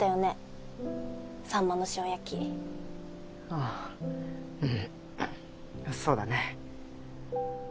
あぁうんそうだね。